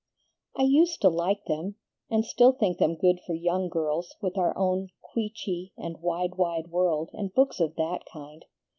"I used to like them, and still think them good for young girls, with our own 'Queechy' and 'Wide, Wide World,' and books of that kind.